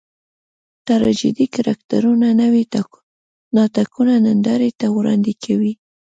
ټراجېډي کرکټرونه نوي ناټکونه نندارې ته وړاندې کوي.